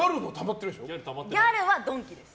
ギャルはドンキです。